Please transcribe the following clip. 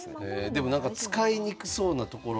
でもなんか使いにくそうなところ。